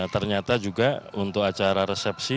ternyata juga untuk acara resepsi